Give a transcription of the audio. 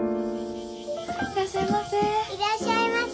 いらっしゃいませ。